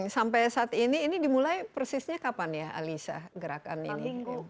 sampai saat ini ini dimulai persisnya kapan ya alisa gerakan ini